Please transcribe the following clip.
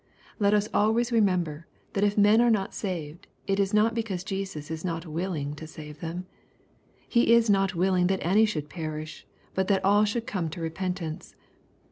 Let us always remember, that if men are not saved, it is not because Jesus is not willing to save them. He js^ not willing that any should perish, but that all should come to repentance.